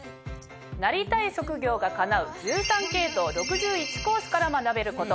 なりたい職業がかなう１３系統６１コースから学べること。